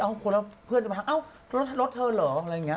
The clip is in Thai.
คนแล้วเพื่อนจะมาเอ้ารถเธอเหรออะไรอย่างนี้